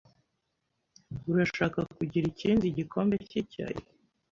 Urashaka kugira ikindi gikombe cyicyayi?